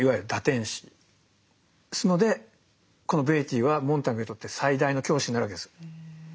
ですのでこのベイティーはモンターグにとって最大の教師になるわけです。